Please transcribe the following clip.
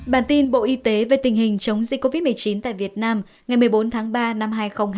bản tin bộ y tế về tình hình chống dịch covid một mươi chín tại việt nam ngày một mươi bốn tháng ba năm hai nghìn hai mươi